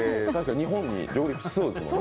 日本に上陸しそうですもんね。